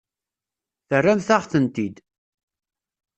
Terramt-aɣ-tent-id.